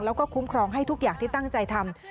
แล้วก็คุ้มครองให้ทุกอย่างที่ตั้งใจทำ